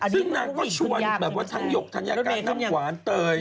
ซึ่งนางก็ชวนแบบว่าทั้งหยกทั้งยาการทั้งหวานเตย